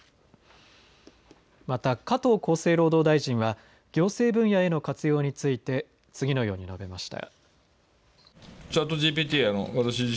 また加藤厚生労働大臣は行政分野への活用について次のように述べました。